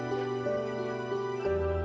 ya tuhan kami berdoa